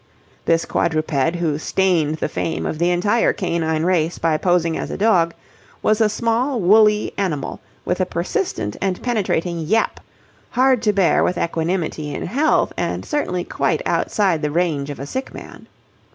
This quadruped, who stained the fame of the entire canine race by posing as a dog, was a small woolly animal with a persistent and penetrating yap, hard to bear with equanimity in health and certainly quite outside the range of a sick man.